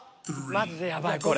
［マジでやばいこれ］